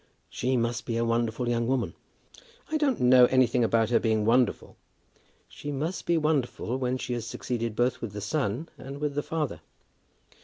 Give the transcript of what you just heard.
"She must be a wonderful young woman." "I don't know anything about her being wonderful." "She must be wonderful when she has succeeded both with the son and with the father."